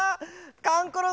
かんころ